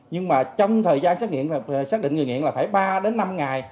nhưng mà trong thời gian xác định người nghiện là phải ba đến năm ngày